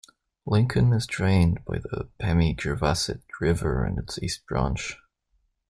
Lincoln is drained by the Pemigewasset River and its East Branch.